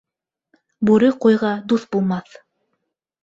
Бүре ҡуйға дуҫ булмаҫ.